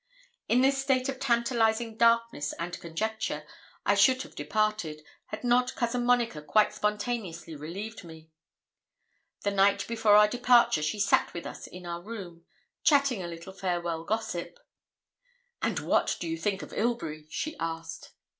In this state of tantalizing darkness and conjecture I should have departed, had not Cousin Monica quite spontaneously relieved me. The night before our departure she sat with us in our room, chatting a little farewell gossip. 'And what do you think of Ilbury?' she asked.